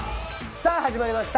さぁ始まりました。